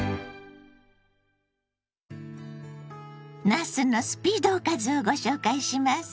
なすのスピードおかずをご紹介します。